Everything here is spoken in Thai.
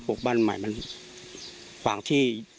บุกบ้านเหมาะของที่ดิน